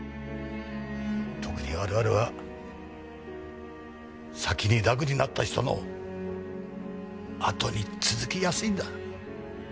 特に我々は先に楽になった人のあとに続きやすいんだ。